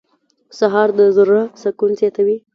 سهار د زړه سکون زیاتوي.